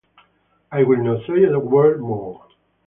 I will not say a word more.